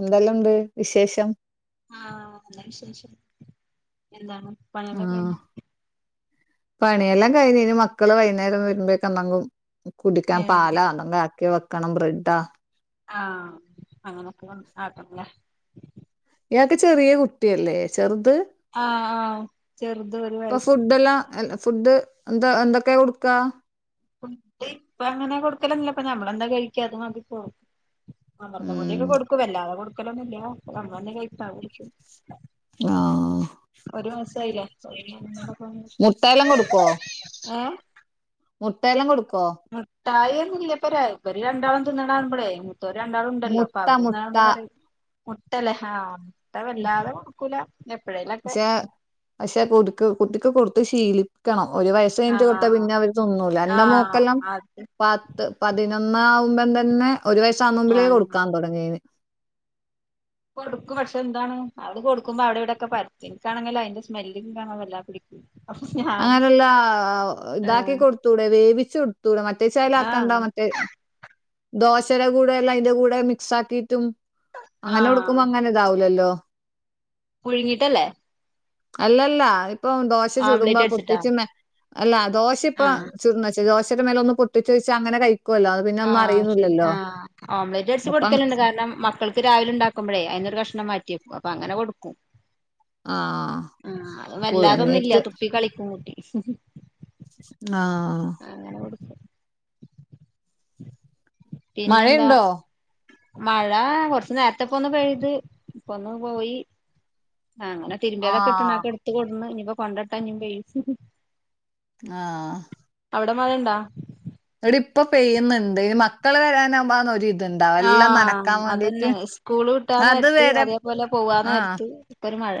എന്തെല്ലാം ഉണ്ട് വിശേഷം? ആഹ ശരി ശരി എന്താണ് പണികളൊക്കെ ആഹ് കയിഞ്ഞോ? പണിയെല്ലാം കഴിഞ്ഞന് മക്കള് വൈകുന്നേരം വരുമ്പോക്കെ നങ്ങും കുടിക്കാൻ ഏഹ് പാലാ അന്നുംങ്കും ആക്കി വെക്കണം ബ്രെഡാ ആഹ അങ്ങനൊക്കെ ആക്കണല്ല യാക്ക് ചെറിയ കുട്ടിയല്ലേ ചെറു ആഹ് ആഹ് ചെറുത് ഒരു വയസ്സ് ഫുഡ് എല്ലാം ഫുഡ് എന്താ എന്തൊക്കെയ കൊടുക്കാ? ഇപ്പ അങ്ങനെ കൊടുക്കലന്നല്ലോ ഇപ്പ നഞമ്മളെന്താ കഴിക്കാത മതിടപ്പോ ഉം അമ്മർതപൊടിയൊക്കെ കൊടുക്കും വല്ലാതെ കൊടുക്കലൊന്നുല്ല അപ്പ അങ്ങന്നെ കട്ടാ കൊടുക്ക ആഹ ഒരു മാസായില്ലേ മുട്ടയെല്ലാം കൊടുക്കോ ഏഹ് മുട്ടയെല്ലാം കൊടുക്കോ? ട്ടായന്നില്ല ഇപ്പ ഇര് രണ്ടാളും തിന്ന് ണ കാണുമ്പളേ മൂത്തേര്ണ്ടാൾ ഉണ്ടല്ലോ അപ്പൊ മുട്ട മുട്ട അവരന്ന പറയും മുട്ടല്ലേ ആഹ് മുട്ട വല്ലാതെ കൊടുക്കൂല എപ്പഴേലൊക്കെ പക്ഷെ പക്ഷെ കൊതുക്ക് കുട്ടിക്ക് കൊടുത്ത് ശീലക്കണം ഒരു വയസ് കഴിഞ്ഞട്ട് കൊടുത്ത ആഹ് പിന്നെ അവര് തിന്നൂല്ല എന്റെ ആഹ് മോക്കെല്ലാം അത് പത്ത് പതി ഒന്നാവകുമ്പം തന്നെ ഒരു വയസാ ആകന്നുമ്പഴേ ആഹ് കൊടുക്കാൻ തുടങ്ങിയന് കൊടുക്കും പക്ഷെ എന്താണ് അത് കൊടുക്കുമ്പോ അവിടെ ഇവിടെൊക്കെ പരത്തിനിക്കാണെങ്കിലോ അതിന്റെ സ്മെല്ല കാണ വല്ലാ പിടിക്കും അങ്ങനെല്ലാ ഇതാക്കി ഏഹ് കൊടുത്തൂടെ വേവിച്ചു കൊടു തൂടടെ മറ്റേ ചാൽ ആാക്കണ്ടോ ആഹ് മറ്റേ ദോശയുടെ കൂടെ എല്ലാം ഇന്റെ കൂടെ മിക്സ് ആക്കിട്ടും അങ്ങനെ ആഹ് കൊടുക്കുമ്പോ അങ്ങനെ ഇതാവുലല്ലോ? പുഴുങ്ങിട്ടല്ലേ? അല്ലല്ല ഇപ്പൊ ദോശ ചുടുമ്പോ ഓംലെറ്റ് അടിച്ചിട്ടാ പൊട്ടിച്ച അല്ല ദോശ ഇപ്പ ആഹ് ചുടന്ന ദോശ ടെര മേല ഒന്ന പൊട്ടിച്ച വെച്ചാ അങ്ങെ കഴിക്കുമോ അത് പിന്നെ ആഹ ശരി അറിയുന്നില്ലല്ലോ ആ ഓംലറ്റ്സ് അപ്പൊ അങ്- കൊടുക്കലുണ്ട് കാരണം മക്കൾക്ക് രാവിലെ ഉണ്ടാക്കുമ്പോഴേ അയിൊരു കഷണം മാറ്റിയെക്കും അപ്പ അങ്ങനെ കൊടുക്കും ആ അ വല്ലാതൊന്നും തില്ല പുഴുങ്ങിയിട്ട് തുപ്പി കളിക്കും കൂട്ടി ഹും ആഹ ഉ [inaudible] മഴയുണ്ടോ? മഴ കൊറച്ച നേരത്തെപ്പ ഒന്ന് പെയത് ഇപ്പൊന്ന് പോയി ആ അങ്ങനെ തിരുമ്പ ആ തക്കെിട്ടണക്കെ എടുത്ത കൊടുന്ന് ഇനിപ്പ കൊണ്ടട്ടാ ഇപ്പോഞ്ഞു പെയ്യ ആഹ അവിടെ മഴണ്ടാ? ഇവിട ഇപ്പൊ പെയ്യുന്നുണ്ട് ഇനി മക്കള് വരാനാവ്മ്പ ഒര് ഇത് ആഹ അതന്നെ സ്കൂള് വിട്ടാൻ അത് നേരത്ത് വരെ അതേപോലെ പോവാ ആ നേരത്ത് ഒരുമഴ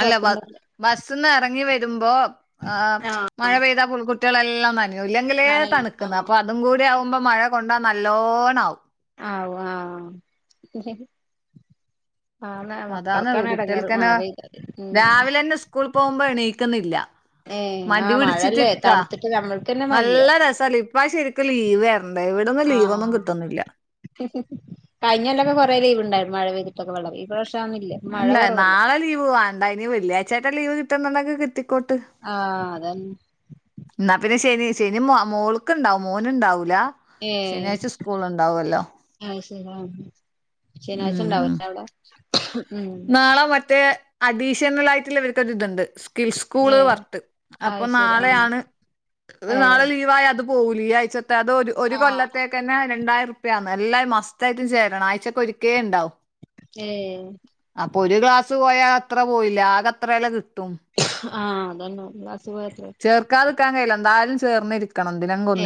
അല്ല ബ ബ സ്ന്ന് എറങ്ങി വ ആഹ് മ്പോമഴ പെയ്ത കുട്ടികൾെല്ലാം ന്നന ഇല്ലെങ്കിലേ നനയും തണുക്കുന്നത് ആഹ് അപ്പൊ അതും കൂടി ആകുമ്പോ മഴ കൊണ്ടാ നല്ലോണം ആവും ആവും ആഹ അതാണ് കുട്ടികൾക്ക്ന്നെ പെയ്താല് ഉം രാവിലെ ന്നെ സ്കൂൾ പോകുമ്പോ എണീക്കുന്നില്ല ഏഹ് മടി ആഹ് പിടിച്ചിട്ട മഴല്ലേ ഇക്കാ തണുത്തിട്ട് നമ്മൾക്കന്നെ വയ്യ നല്ല രസല്ല ഇപ്പറാവശ്യം ആ ശരിക്കും ലീവയിരണ ഇവിടന്നും ലീവൊന്നും കിട്ടുന്നില ഹേ ഹി കഴിഞ്ഞല്ലൊക്കെ കൊറെേ ലീവ് ഉണ്ടായി മഴ പെയ്തിട്ടൊക്കെ ഈ പ്രാവശ്യം അതൊന്നുല്ല മഴ അല്ല കുറവല്ലേ നാളെ ലീവ് വാണ്ടാ, ഇനി വെള്ളിയാഴ്ചായിട്ടാ ലീവ് കിട്ടുന്നന്നൊക്കെ കിട്ടി ആഹ അതന്നെ എന്നാ പിന്നെ ശനി, ശനി മോളക്ക് ഉണ്ടാവു മോന് ഉണ്ടാവൂല ഏഹ് ശനിയാഴ്ച സ്കൂള ഉണ്ടാവല്ലോ [unintelligible] ഉം ഉണ്ടാവുല്ലേ അവിടെ ഉം നാളെ മറ്റേ അഡീഷണൽ ആയിട്ടുള്ളവർക്കത് ഇതുണ്ട് സ്കിൽ സ്കൂള് ഏഹ് വർട്ട് അപ്പൊ അത് ശരി ആഹ് നാളെയാണ്, ഏഹ് നാളെ ലീവായി അത് പോല ഈ ആഴ്ച്ചത്തെ അത് ഒരു ആഹ് കൊല്ലത്തേക്ക് തന്നെ രണ്ടായിരം എല്ലാരും മസ്തായിട്ടും ചേരണം ആഴ്ച്ചൊക്കെ ഒരിക്കേ ഉണ്ടാവു ഏ അപ്പൊ ഒരു ഗ്ലാസ് പോയാൽ അത്ര പോയില്ലെ, ആകെ അത്ര വല്ല കി ആഹ് അതന്നെ ഒന്നാം ക്ലാസ് പോയത്രേ ചേർക്കാതിക്കാൻ കഴിയില്ല എന്തായാലും ചേർന്നിരിക്ക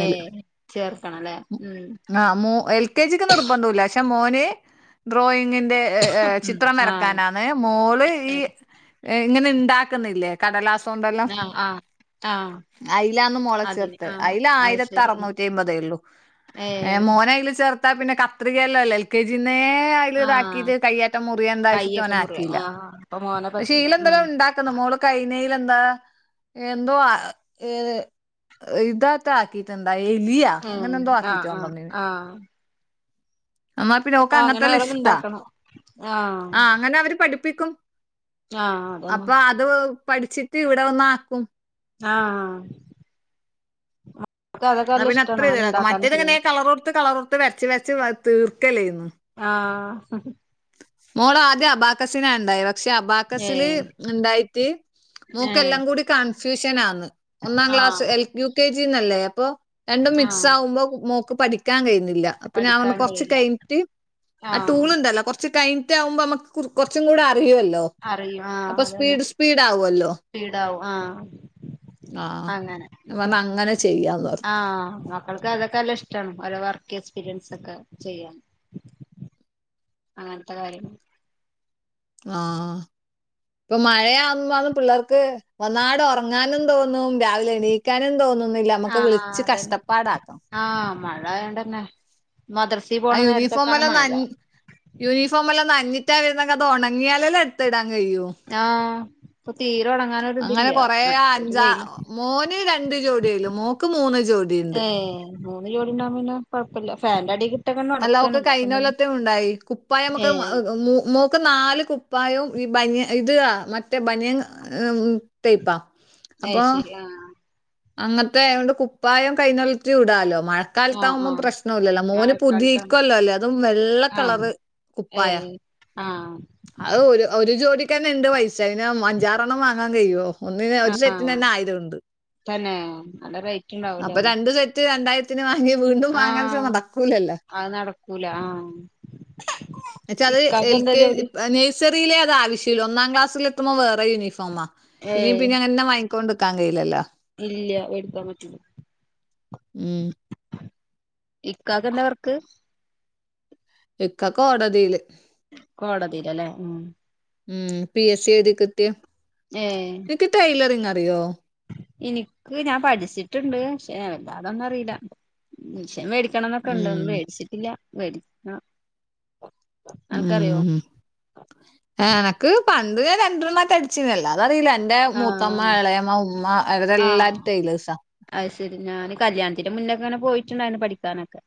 ഏ ചേർക്കണല്ലേ ഉം അ മൂ എൽകാജിക് നിർബന്ധല്യ പക്ഷെ, മോൻക എ, ഡ്രോയിങ്ങിന്റെ ഉം ചിത്രം ആഹ് വരയ്ക്കാനാണേ, മോള് ഈ യേ ഇങ്ങനെ ഉണ്ടാക്കുന്നില്ലേ? കടലാസ് ആഹ ആഹ, അയിലാന്ന് മോളെ ചേർതേത്, ആഹ് അയില് അത് ആയിരത്തി ശരി ആഹ് അറനൂറ്റി അമ്പതേ ഉള്ളു ഏ, മോന അൽ ചേർത്താ പിന്നെ കത്രികയല്ലല്ലേ എൽ കെ വേ അതിൽ ആഹ് ഇതാക്കീട്ട് കയ്യാറ്റം മുറിയ എന്താ വെച്ചിട്ട് കയ്യൊക്കെ അവന മുറിയോ ആക്കിയില്ല. ആഹ് അപ്പൊ മോനെ പക്ഷെ പറ്റില്ല ഇലന്ത ഉം ഉണ്ട ആ മോൾക്കയി പിന്ന എന്താ? എന്തോ ഇതത്ത ആക്കിട്ടുണ്ടായി ലിയ, ഉം അങ്ങനെ എന്തോ ആഹ് ആഹ് ആക്കീട്ടോണ്ടോന്നീന് ആഹ് അന്ന പിന്ന ഓൾക്ക ആഹ് അങ്ങനെ ഓരോന്ന് അങ്ങനത്തെലീഷ്ട ഇണ്ടാക്കണം ആഹ് ആഹ, അങ്ങനെ അവര് പഠിപ്പ പിക്കും ആഹ് അതന്നെ അപ്പൊ അത് പഠിച്ചിട്ട് ഇവിടെ ഒന്ന ആക്കും ആഹ അ പിന്നെ അത്ര ഇതിലക, മറ്റേത്ങ്ങനെ ചെയ്യാനൊക്കെ കളർ കൊടുത്ത് കളർ കൊടുത്ത് വരച്ച് വരച്ച് തീർക്കല്ലെ ചെയ്യന്ന് ആഹ മോള ആദ്യം അബാക്കസിന ഉണ്ടായെ പക്ഷെ ഏ അബാക്കസില് ഉണ്ടായിട്ട്, ഏ മോക്ക്ല്ലാം കൂടി കൺഫ്യൂഷൻ ആന്ന് ഒന്നാം ക്ലാസ്സ് ആഹ് എൽ യു കെ ജിന്നല്ലേ അപ്പൊ രണ്ടും മിക്സ് ആഹ് ആകുമ്പോ? മോ പഠിക്കാൻ കഴിയുന്നില്ല അപ്പ ഞാനൊന്ന് പഠിക്കാൻ കൊർച് കഴിയില്ല കഴിഞ്ഞിട്ട് ആ ആഹ് ടൂൾ ഉണ്ടല്ലോ, കൊർ ചകഴിഞ്ഞിട്ടാവുമ്പോ നമുക്ക് കൊറച്ചുകൂടെ അല്ലോ? അറിയും അപ്പ ആഹ് അതന്നെ സ്പീഡ സ്പീഡ ആകല്ലോ? സ്പീഡാവും ആഹ് ആഹ്, അങ്ങനെ വന്ന് അങ്ങനെ ചെയ്യാന്ന് പറഞ്ഞ ആഹ് മക്കൾക്ക് അതൊക്കെല്ലഷ്ടമാണ് ഓരോ വർക്ക് എക്സ്പീരിയൻസ് ഒക്കെ ചെയ്യാൻ അങ്ങനത്തെ കാര്യങ്ങ ആഹ, ഇപ്പൊ മഴയാവുമന്ന് പിള്ളർക്ക് വന്നാട് ഉറങ്ങാനും തോന്നും, രാവിലെ എണീക്കാനും തോന്നും നമ്മക്ക് ആഹ് വിളിച്ചച്ച് കഷ്ടപ്പാടാക്കും ഇണ്ടായൊണ്ടെന്നേ, ആ യൂണിഫോം എല്ലാം നഞ്ഞി, യൂണിഫോം എല്ലാം നഞ്ഞ്ഞി ര അത് ഉണങ്ങിയാലല്ലാം എട്ത്ത്ടാൻ ആഹ ഇപ്പൊ തീരെ ഉടങ്ങാനൊ അങ്ങനെ ഇതില്യ, കൊറേ മറ്റത് അഞ്ചാ വെയിലും, മോന് രണ്ട് ജോഡിയുള്ളു മോക്ക് മൂന്ന് ജോഡിയുണ്ട് ഏ മൂന്ന് ജോടി ഉണ്ടാൻ പിന്നെ കൊഴപ്പില്ല, ഫാൻന്റെ അടീക് അല്ല ഒക്കെ കൈനോലത്തെയ ഉണ്ടായി, കുപ്പായ നമുക്ക് ഏഹ് മോൾക് ക്ക് നാല് കൂ പ്പായവും ഈ ബനിയ ഇത മറ്റേ ബനിയ ടൈപ്പാ അ്, അപ്പൊ ശരി ആഹ അങ്ങനത്തെ അത കൊണ്ട് കുപ്പായം കൈനള്ളത്തി വിടാലോ ആഹ് മഴക്കാലത്താകുമ്പോം ആഹ് പ്രശ്ന ഇല്ലല്ലോ മോന് മഴക്കാലത്താണ് പുതിക്കുവല്ലോ അല്ലേ അതും വെള്ള കളറ് കുപ്പായ ഏയ് ആഹ അത് ഒരു ഒരു ജോലി ന്നെ ഉണ്ട് പൈസ അന് അഞ്ചാറെ എണ്ണം വാങ്ങാൻ കഴിയുവോ ഒന്ന ഒരു സെറ്റിന് തന്നെ ആയിരം ഉണ്ട് ഏ നല്ല റേറ്റ് ഉണ്ടാവൂലോ സെറ്റ് രണ്ടായിരത്തിന് വാങ്ങി വീണ്ടും വാങ്ങാന്നുച്ച നടക്കൂലല്ലോ അത് നടക്കൂല ആഹ് അച്ച അത് ഇക്കാക്ക് എൽ എന്താ കെ ജോലി നേഴ്സറിയിലെ അത ആവശ്യ ഒന്നാം ക്ലാസിൽ എത്തുമ്പോ വേറെ യൂണിഫോമാ പിന്നെ ഏഹ് പിന്നെങ്തന്ന വാങ്ങിക്കൊണ്ട് ക്കാൻ കഴയില്ലോ ഇല്ല എടുക്കാൻ പറ്റുല്ല ഉം ഇക്കാക്ക് ന്താ വർക്ക് ഇക്ക കോടതിയില് കോടതിയിലല്ലേ ഉം ഉം പി എസ് സി എഴുതി കിട്ടി ഏഹ് ന്നിക്ക് ടെയിലറിങ് അറിയോ എനിക്ക് ഞാൻ പഠിച്ചിട്ടുണ്ട് പക്ഷെ വല്ലാതൊന്നും അറിയില്ല മിഷൻ വേടി ടിക്കണംന്നൊക്കെ ഇണ്ട ഉം. ഒന്ന് മേടിച്ചിട്ടില്ല വെടികുണം ഉം എനക്ക് പണ്ട് രണ്ടെരണ്ണം ട്ടെ അടിച്ചുന്നല്ലോഅതറിലേ എന്റെ മൂത്തമ്മ ഇളയമ്മ ഉമ്മ ആഹ അവരെല്ലാരും ടൈലേഴ്സാ. അത് ശരി ഞാന് കല്യാണത്തിന്റെ മുന്നേങ്ങനെ പോയി ഇച്ച്ണ്ടായിരുന്നു പഠിക്കാനൊക്കെ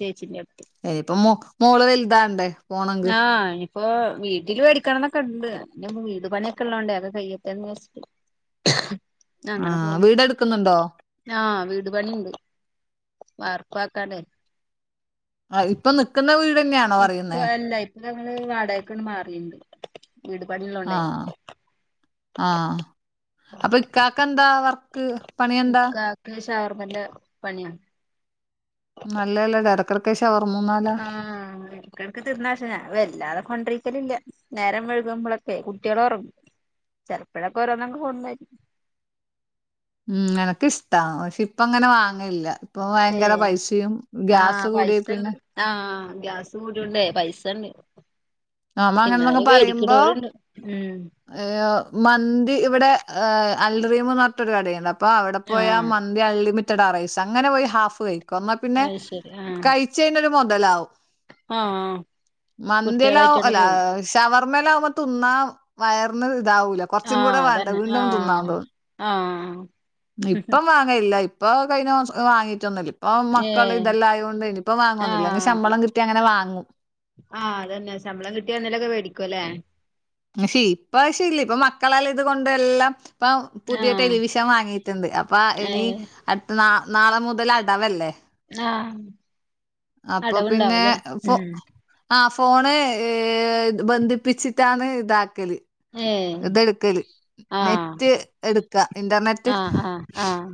ചേച്ചിന്റെ എനിയിപ്പോ മോ മോള് വലുതാണ്ടേ പോണെങ്ക് ആഹ ഇപ്പൊ വീട്ടില് വേടിക്കണംന്നൊക്കെ ഉണ്ട് അയിനുമ്പ് വീട് പണിക്കെള്ളോണ്ടേ അതെ കഴിയട്ടന്ന് വിചാരിച്ചിട്ട് അങ്ങനെ ആഹ് പോണ് വീടെടുക്കുന്നുണ്ടോ ആ വീട് പണിയുണ്ട് മർക്കാക്കാണ് ആ ഇപ്പൊ നിിക്കുന്ന വീട്ന്നെയാണോ ഇപ്പൊ പറയുന്നേ അല്ല ഇപ്പൊ ഞങ്ങള് വാടകക്ക്ണ്ട് മാറിയണ്ട് വീട്പാണിള്ളോണ്ടേ ആഹ അപ്പൊ ഇ കാക്ക എന്താ വർക്ക് പണിയെന്താ നോർമല് പണിആണ് നല്ലല്ലേ എടക്കടക്ക് ആഎടക്ക് എടക്ക് തീർന്നാശം ഞാൻ വല്ലാതെ കൊണ്ടിരിക്കലില്ല നേരം വെഴുകുമ്പോളൊക്കെ കുട്ടെള് ഉറങ്ങും ചെലപ്പയൊക്കെ ഓരോന്നക്ക കോടുന്നയിും ഉം എനക്ക് ഇഷ്ട പക്ഷെ ഇപ്പ അങ്ങനെ വാങ്ങല്ല ഇപ്പൊ ഭയങ്കര ഏഹ് പൈസയും ഗ്യാസ് ആഹ് കൂടി പൈസ ഉണ്ട് പിന്നെ ആഹ് ഗ്യാസ് കൂടിണ്ടേ പൈസന്ന ആമ്മ അങ്ങനെന്നൊക്ക പറയുമ്പോ ഉം മന്തി ഇവിടെ ആാാ അൽറീമന്നട്ടരു കടയുണ്ട് അപ്പോൊ അവിടെ പോയ ആഹ് മന്തി അൾ ലിമിറ്റ് ത്തട റൈസ് അങ്ങനെ പോയി ഹാഫ് കഴിക്കും എന്നാ പിന്നെ അത് കഴിചെന്നൊരു മോതലാകും ആഹ മന്തിയെല്ലാവും കുട്ടികളായിറ്റ് അല്ല ഷവർമേല ആകുമ്പോ തിുന്നാ വയറിന് ഇതാവൂല കുറച്ചും കൂടെ ആഹ് വേണ്ട അതന്നെ വീണ്ടും ആഹ് തിന്നാതോ ആഹ് ഇപ്പം വാങ്ങല്ല ഇപ്പൊ കഴിഞ്ഞ വാങ്ങീട്ടൊന്നല്ല ഇപ്പൊ മക്കൾ ഏഹ് ഇതല്ലാം ആയത കൊണ്ട് ഇനിയിപ്പൊ വാങ്ങുവൊ ന്നില്ലഅങ്ങ് ആഹ് ശമ്പളം കിട്ടി അങ്ങനെ വാങ്ങും ആഹ് അതന്നെ ശമ്പളം കിട്ടിയാഎന്തോലൊക്കെ വേടിക്കുംല്ലേ നഷി ഇപ്പ ശി ഇല്ല ഇപ്പ മക്കളല്ല ഇത് കൊണ്ട് എല്ലാം ഇപ്പം പുതിയ ആഹ് ടെലിവിഷൻ വാങ്ങിയിട്ടുണ്ട് അപ്പ ഇനി ഏഹ് അടുത്ത നാ നാളെ മുതൽ അടവല്ലേ ആഹ് അപ്പൊ പിന്നെ അടവുണ്ടാവുല്ലേ ഫോ ഉം ആ ഫോണ് ഏ ബന്ധിപ്പിച്ചിട്ടാണ് ഇതാക്കല് ഏഹ് ഇതെടുക്കല് ആഹ് നെറ്റ് എടുക്കാ ഇന്റർനെറ്റ് ആഹ് ആഹ് ആഹ്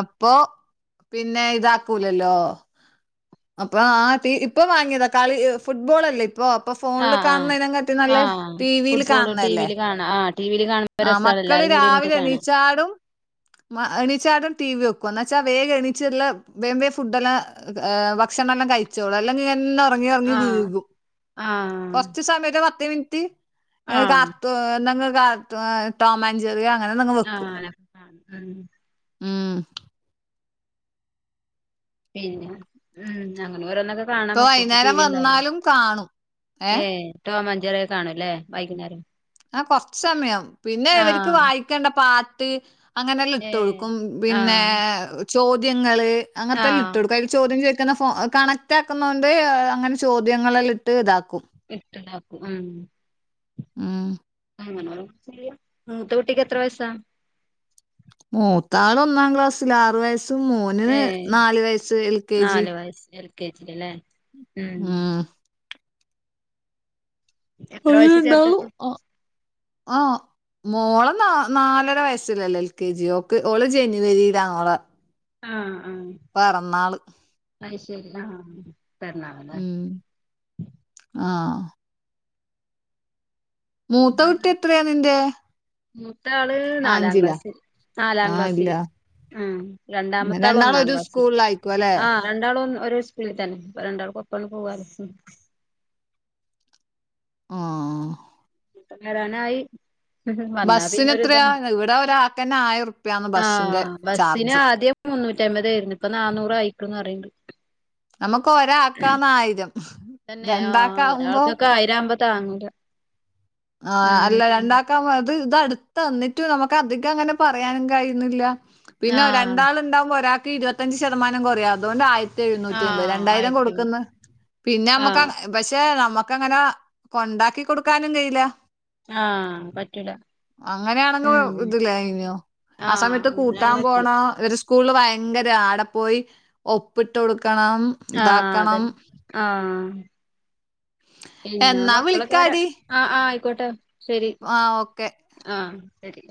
അപ്പൊ പിന്നെ ഇതാക്കൂലല്ലോ അപ്പൊ ആ തീ ഇപ്പൊ വാങ്ങിയതാ കളി ഫുട്ബോൾ അല്ലേ അപ്പൊ അപ്പ ഫോണില് ആഹ് ആഹ് കാണുന്നതിനതിനെകട്ടി നല്ല ആഹ് ടി വിൽ ഫുട്ബോള് കാണുന്നല്ലേ ടിവില് കാണാ ആഹ് ടിവില് കാണുമ്പോ ആ രസാണ് മക്കള് എല്ലാരും കൂടി ഇരുന്നിട്ട് രാവിലെ കാണാ എണീച്ചാടും എണിച്ചാട ടിവി വക്കോ എന്ന് വച്ചാ വേഗന്നീച്ച്എല്ലാം വേ വേമ് ഫുഡ്‌ എല്ലാം ഭക്ഷണം എല്ലാം കഴിച്ചോളൂ അല്ലങ്കിൽ എല്ലാം ഇറങ്ങി ഇറങ്ങി ആഹ് വീകും ആഹ് കൊറച്ച് സമയകളാ ിന ആഹ് കാന്ത ോറ ടോം ആന്റ് ജെറി അങ്ങനെ എന്തെങ്കിലും ആഹ ഉ ഉഹ പിന്നെ ഉ അങ്ങനെ വരന്ന കാണാൻ ഇപ്പൊ മക്കൾക്ക് ടി വൈകുന്നേരം വി ഉണ്ടായി വന്നാലും കാണും ഏഹ് ഏ ോ ചറ കാണുംല്ലേ വൈകുന്നേരം ആ കൊറച്ച് സമയം പിന്നെ ഇവർക്ക് ആഹ് വായിക്കേണ്ട പാട്ട് അങ്ങനെല്ലാം ഏ ഇട്ടൊടുക്കും പിന്നെ ആഹ് ചോദ്യങ്ങള് അങ്ങനത്തെ എല്ലാം ഇട്ട ആഹ് കൊടുക്കും അതില് ചോദ്യം ചോ ുന്ന ഫോ കണക്റ്റ് ആാക്കുന്നണ്ട് അങ്ങനെ ചോദ്യങ്ങളല്ല ഇട്ട് ഇതാക്കും ഇട്ടലാക്കും ആഹ ഉം നോ മൂത്ത കുട്ടിക്ക് എത്ര വയസാ മൂത്താൾ ഒന്നാം ക്ലാസ്സിൽ ആറു വയസ് മൂന് ഏ നാല് വയസ്സ് എൽ കെ ജി കേട്ടരിക്കല്ലേ [unintelligible] ആഹ എത്ര വയസല ചേർത്തപ്പ ആഹ മോളെ ന നാലര വയസ്സിലല്ലോ എൽ കെ ജിയോക്ക്െ ഓള് ജനുവരില മോളെ ആഹ പിറന്നാള് അത് ശരി ആ ഉം ആഹ മൂത്തകുട്ടി എത്രയാ നിന്റെ മൂത്ത ആള് നാലാം അഞ്ചിലാ ക്ലാസ്സില് നാലാം ആ ഇല്ല ക്ലാസ്സില് ഉം രണ്ടാമത്ത ആൾ രണ്ടാളും ഒന്നാം ഒരു ക്ലാസ്സില് സ്കൂളിലായിരിക്കും അല്ലെ ആ രണ്ടാള ഒരു സ്കള തന്നെ ഇപ്പ രണ്ടാൾക്ക് ഒപ്പന്ന പോവാ ആഹ ഇപ്പ നേരാന ആയി ഉ വന്നാ ബസ്സിന് പിന്നെത എത്രയാ ഇവിടെ ഒരാൾക്കന്നെ ആയിരം ഉറുപ്പ്യാന്ന് ആ ബസ്സിന്റെ ബസിനന് ചാർജ് ആദ്യം നുറ്റമ്പതായിരുന്നു ഇപ്പൊ നാനൂറ് അയക്കുംന്ന് പറണ്ട് നമുക്ക് ഒരാൾക്കാന്ന് ആയിരം തന്നെ ആഹ രണ്ടാക്കാവുമ്പോ ഒരാൾക്കൊക്കെ ആയിരം ആവുമ്പത്താങ്ങൂല ആ അല്ല രണ്ടാക്കാ അത് ഇത് അടുത്ത് തന്നിട്ടും നമുക്ക് അധികം അങ്ങനെ പറയാനും കഴിയുന്നില്ല പിന്നെ ആഹ് രണ്ടാൾ ഉണ്ടാവകുമ്പോ ഒരാക്ക് ഇരുപത്തഞ്ച് ശതമാനം പോരെ അതുകൊണ്ട് ആ എഴുന്നൂറ്റി അമ്പത് ആഹ് രണ്ടായിരം ആയിരത്തിന് കൊടുക്കന്ന് പിന്നെ നമ്മുക്ക് ആഹ് പക്ഷെ നമുക്ക അങ്ങനെ കൊണ്ടാക്കി കൊടുക്കാനും കഴയില്ല ആഹ പറ്റൂല അങ്ങനെയാണെങ്കിൽ ഉം ഇതില്ല ഇനോ ആ ആഹ് സമയത്ത് അങ്ങനെയാണ് കൂട്ടാൻ പറ്റൂല പോണ ഇവര് സ്കൂള് ഭയങ്കര ആടെ പോയി ഒപ്പിട്ട് കൊടുക്കണം ആഹ് ഇതാക്കണം അതന്നെ എന്നാ മക്കളൊക്കെ ആ ആ ആയിക്കോട്ടെ ശരി ആ ഓക്കെ ആഹ ശരി